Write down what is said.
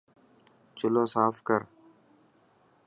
چلو صاف ڪر.